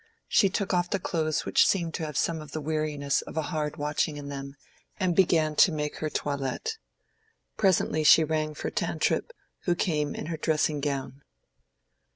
She took off the clothes which seemed to have some of the weariness of a hard watching in them, and began to make her toilet. Presently she rang for Tantripp, who came in her dressing gown.